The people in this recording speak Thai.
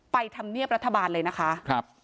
ไปทำเนียบรัฐบาลเลยนะคะ